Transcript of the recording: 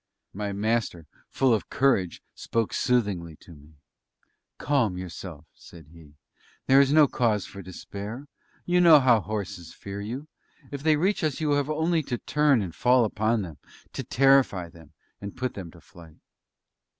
My Master, full of courage, spoke soothingly to me. "Calm yourself," said he, "there is no cause for despair; you know how horses fear you; if they reach us you have only to turn and fall upon them to terrify them, and put them to flight!"